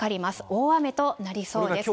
大雨となりそうです。